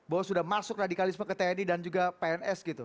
bahwa sudah masuk radikalisme ke tni dan juga pns gitu